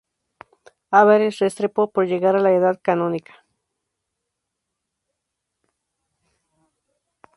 Álvarez Restrepo por llegar a la edad canónica.